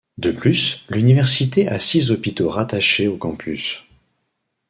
De plus, l'Université a six hôpitaux rattachés aux campus.